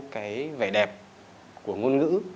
cái vẻ đẹp của ngôn ngữ